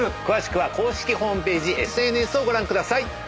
詳しくは公式ホームページＳＮＳをご覧ください。